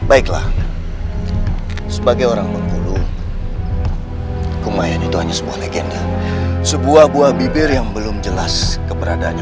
aku harus membuktikan siapa dia sebenarnya